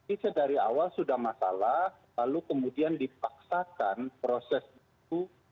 itu dari awal sudah masalah lalu kemudian dipaksakan proses itu